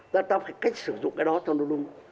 người ta phải cách sử dụng cái đó cho nó đúng